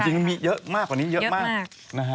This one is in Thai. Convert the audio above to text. จริงมีเยอะมากกว่านี้เยอะมาก